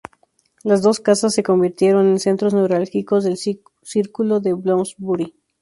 Las dos casas se convirtieron en centros neurálgicos del círculo de Bloomsbury.